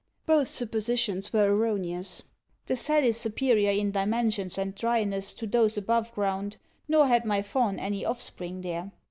Both suppositions were erroneous. The cell is superior in dimensions and dryness to those above ground, nor had my fawn any offspring there.